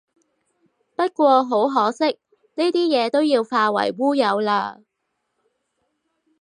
不過好可惜，呢啲嘢都要化為烏有喇